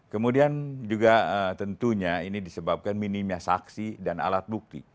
kemudian juga tentunya ini disebabkan minimnya saksi dan alat bukti